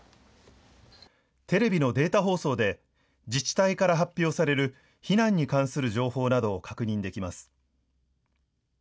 テレビのデータ放送で自治体から発表される避難に関する情報などを確認できます。